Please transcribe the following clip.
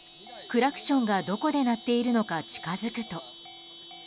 クラクションがどこで鳴っているのか近づくと。